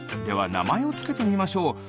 ではなまえをつけてみましょう。